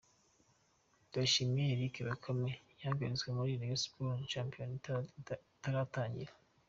Ndayishimiye Eric Bakame yahagaritswe muri Rayon Sports Shampiona itarangiye.